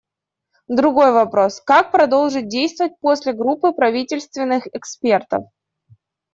Другой вопрос: как продолжить действовать после группы правительственных экспертов?